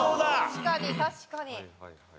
確かに確かに。